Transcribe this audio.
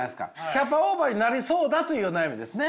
キャパオーバーになりそうだという悩みですね。